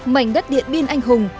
mảnh đất điện biên anh hùng